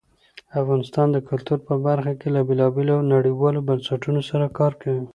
افغانستان د کلتور په برخه کې له بېلابېلو نړیوالو بنسټونو سره کار کوي.